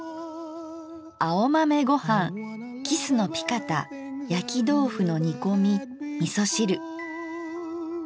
「青豆ごはんキスのピカタ焼きどうふの煮こみみそ汁」。